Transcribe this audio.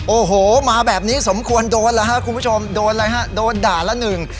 โอ้โหมาแบบนี้สมควรโดนแล้วฮะคุณผู้ชมโดนอะไรฮะโดนด่าละหนึ่ง